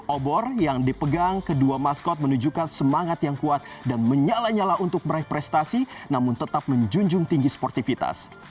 obor yang dipegang kedua maskot menunjukkan semangat yang kuat dan menyala nyala untuk meraih prestasi namun tetap menjunjung tinggi sportivitas